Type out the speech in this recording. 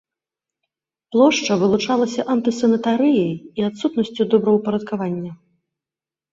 Плошча вылучалася антысанітарыяй і адсутнасцю добраўпарадкавання.